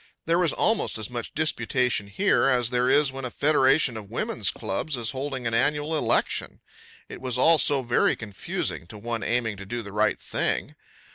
There was almost as much of disputation here as there is when a federation of women's clubs is holding an annual election. It was all so very confusing to one aiming to do the right thing.